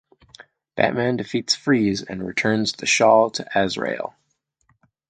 Batman defeats Freeze and returns the Shawl to Azrael.